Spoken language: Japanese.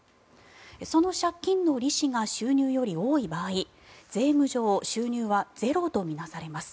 その借金の利子が収入より多い場合税務上収入はゼロと見なされます。